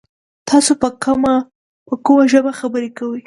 تاسو په کومه ژبه خبري کوی ؟